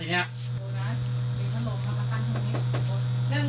ไม่หายเย็นยัง